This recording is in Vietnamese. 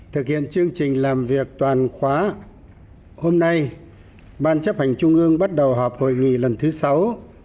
thực hiện chương trình làm việc toàn khóa hôm nay ban chấp hành trung ương bắt đầu họp hội nghị lần thứ sáu